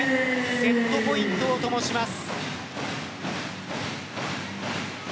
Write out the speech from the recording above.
セットポイントを灯します。